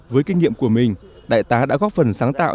với kinh nghiệm của mình đại tá đã góp phần sáng tạo